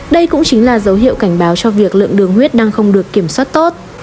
đây cũng chính là dấu hiệu cảnh báo cho việc lượng đường huyết đang không được kiểm soát tốt